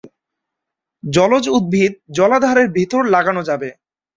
জলজ উদ্ভিদ জলাধারের ভেতর লাগানো যাবে।